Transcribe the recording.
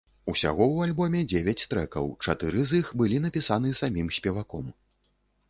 Усяго ў альбоме дзевяць трэкаў, чатыры з іх былі напісаны самім спеваком.